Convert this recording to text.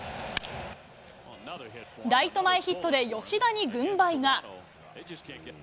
ライト前ヒットで吉田に軍配が。